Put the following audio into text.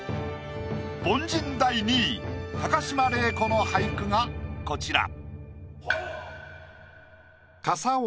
凡人第２位高島礼子の俳句がこちら。